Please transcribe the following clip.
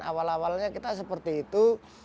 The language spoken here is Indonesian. awal awalnya kita seperti itu